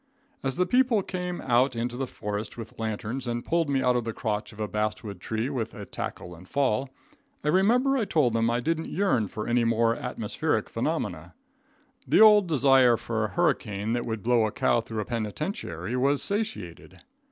As the people came out into the forest with lanterns and pulled me out of the crotch of a basswood tree with a "tackle and fall," I remember I told them I didn't yearn for any more atmospheric phenomena. The old desire for a hurricane that would blow a cow through a penitentiary was satiated.